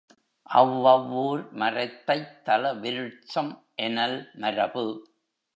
அவ்வவ்வூர் மரத் தைத் தலவிருட்சம் எனல் மரபு.